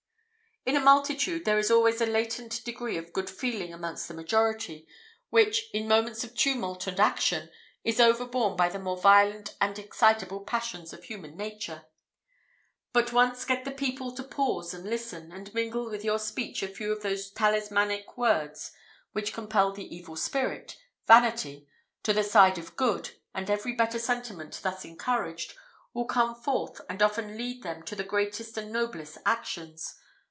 In a multitude there is always a latent degree of good feeling amongst the majority, which, in moments of tumult and action, is overborne by the more violent and excitable passions of human nature; but once get the people to pause and listen, and mingle with your speech a few of those talismanic words which compel the evil spirit, vanity, to the side of good, and every better sentiment, thus encouraged, will come forth, and often lead them to the greatest and noblest actions.